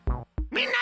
みんな！